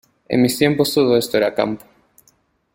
En mis tiempos, todo esto era campo.